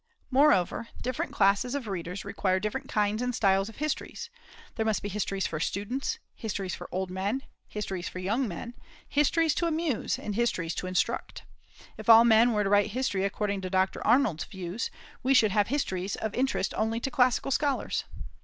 Moreover, different classes of readers require different kinds and styles of histories; there must be histories for students, histories for old men, histories for young men, histories to amuse, and histories to instruct. If all men were to write history according to Dr. Arnold's views, we should have histories of interest only to classical scholars.